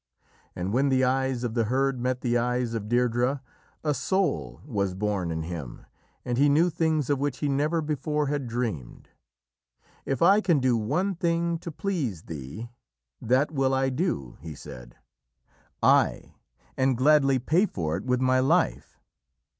And when the eyes of the herd met the eyes of Deirdrê, a soul was born in him, and he knew things of which he never before had dreamed. "If I can do one thing to please thee, that will I do," he said. "Aye, and gladly pay for it with my life.